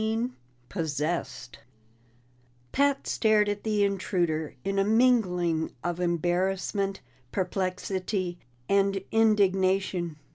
16 Possessed Pat stared at the intruder in a mingling of embarrassment, perplexity, and indignation.